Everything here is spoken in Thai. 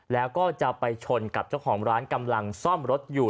แล้วก็จะไปชนกับเจ้าของร้านกำลังซ่อมรถอยู่